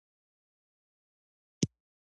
د ډرایور خبره مې زړه ته ولوېده.